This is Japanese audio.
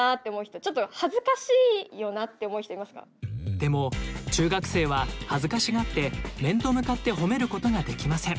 でも中学生は恥ずかしがって面と向かってほめることができません。